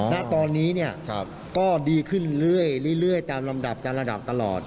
แต่ตอนนี้ก็ดีขึ้นเรื่อยตามรำดับตลอด